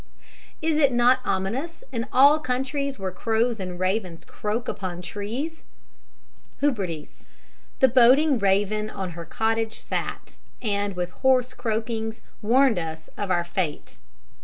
_) "Is it not ominous in all countries where crows and ravens croak upon trees?" (Hudibras.) "The boding raven on her cottage sat, And with hoarse croakings warned us of our fate."